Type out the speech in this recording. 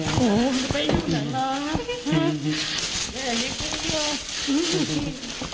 ทักสมองแต่แบบนั้นไม่ยืนถึงวันหรอกค่ะไปตัดคิดไปทักสมองเครียด